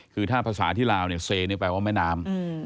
คือถ้าภาษาที่ลาวเนี่ยเซนี่แปลว่าแม่น้ำ